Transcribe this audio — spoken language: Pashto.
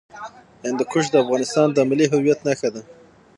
هندوکش د افغانستان د ملي هویت نښه ده.